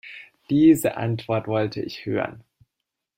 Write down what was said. Diese Antwort wollte ich hören.